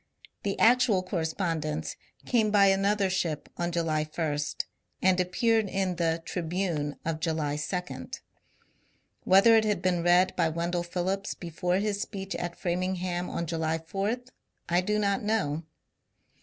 The actual correspondence came by another ship on July 1, and appeared in the " Tribune " of July 2. Whether it had been read by Wendell Phillips before his speech at Framingham on July 4, 1 do not know.